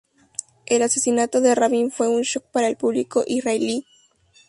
El asesinato de Rabin fue un shock para el público israelí.